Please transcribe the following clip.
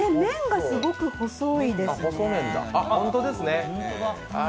麺がすごく細いですね。